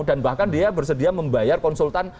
dan bahkan dia bersedia membayar konsultan